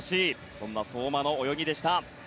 そんな相馬の泳ぎでした。